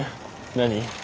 何？